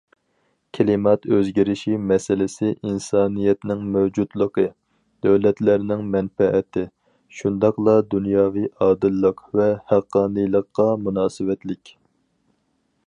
كىلىمات ئۆزگىرىشى مەسىلىسى ئىنسانىيەتنىڭ مەۋجۇتلۇقى، دۆلەتلەرنىڭ مەنپەئەتى، شۇنداقلا دۇنياۋى ئادىللىق ۋە ھەققانىيلىققا مۇناسىۋەتلىك.